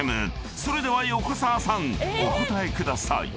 ［それでは横澤さんお答えください］